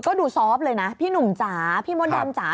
ก็ดูซอฟต์เลยนะพี่หนุ่มจ๋าพี่มดดำจ๋า